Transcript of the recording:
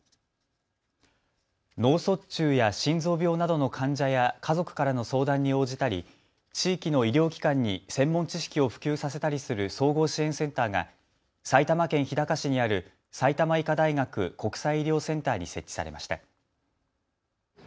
脳卒中や心臓病などの患者や家族からの相談に応じたり地域の医療機関に専門知識を普及させたりする総合支援センターが埼玉県日高市にある埼玉医科大学国際医療センターに設置されました。